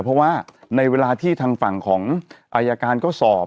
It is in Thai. เพราะว่าในเวลาที่ทางฝั่งของอายการก็สอบ